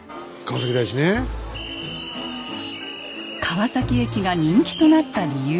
川崎駅が人気となった理由。